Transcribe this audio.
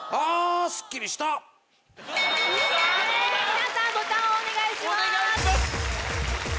皆さんボタンをお願いします。